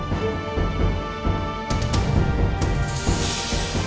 gak nerima pengkhianat kayak lo